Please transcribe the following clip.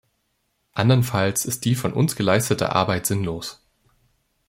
Anderenfalls ist die von uns geleistete Arbeit sinnlos.